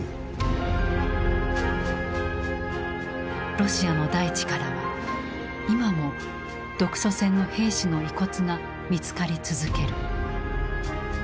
ロシアの大地からは今も独ソ戦の兵士の遺骨が見つかり続ける。